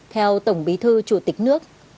theo tổng bí thư chủ tịch nước